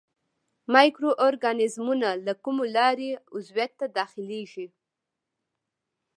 مایکرو ارګانیزمونه له کومو لارو عضویت ته داخليږي.